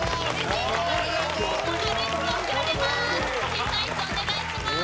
審査委員長お願いします。